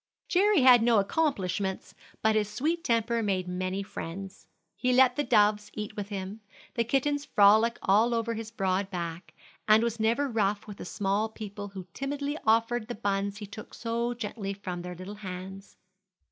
Jerry had no accomplishments, but his sweet temper made many friends. He let the doves eat with him, the kittens frolic all over his broad back, and was never rough with the small people who timidly offered the buns he took so gently from their little hands.